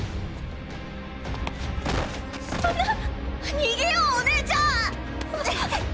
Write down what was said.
そんな⁉逃げようお姉ちゃん！